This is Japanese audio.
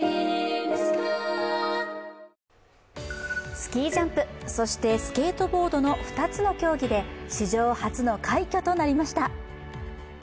スキージャンプ、そしてスケートボードの２つの競技で史上初の快挙となりました。